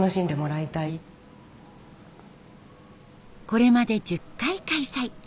これまで１０回開催。